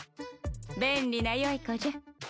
便利な良い子じゃ。